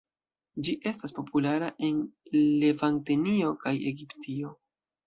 Ĝi estas populara en Levantenio kaj Egiptio.